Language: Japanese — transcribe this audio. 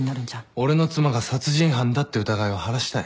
俺の妻が殺人犯だって疑いを晴らしたい。